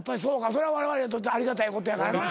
それはわれわれにとってありがたいことやからな。